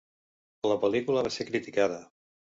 La pel·lícula va ser criticada.